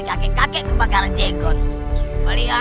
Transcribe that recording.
kalau kau ingin mati